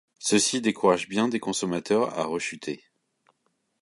Ceci décourage bien des consommateurs à rechuter.